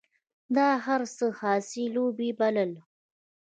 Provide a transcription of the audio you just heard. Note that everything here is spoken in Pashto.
دا هر څه یې خاصې لوبې بلل.